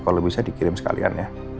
kalau bisa dikirim sekalian ya